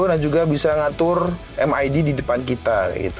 dan juga bisa ngatur mid di depan kita